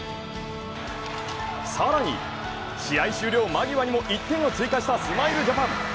更に試合終了間際にも１点を追加したスマイルジャパン。